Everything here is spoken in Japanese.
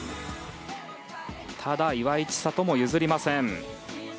ただ、岩井千怜も譲りません。